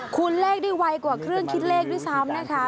คุณเลขได้ไวกว่าเครื่องคิดเลขด้วยซ้ำนะคะ